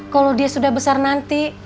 kalau dia sudah besar nanti